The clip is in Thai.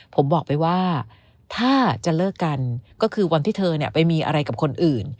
ผมบอกไปว่าถ้าจะเลิกกันก็คือวันที่เธอไปมีอะไรกับคนอื่น